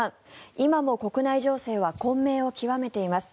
今も国内情勢は混迷を極めています。